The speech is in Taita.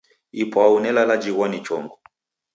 Ipwau nelala jighwa ni chongo.